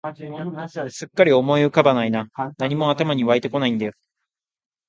すっかり思い浮かばないな、何も頭に湧いてこないんだよ